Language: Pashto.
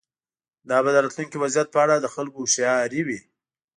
دا به د راتلونکي وضعیت په اړه د خلکو هوښیاري وه.